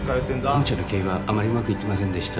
本社の経営はあまりうまくいってませんでした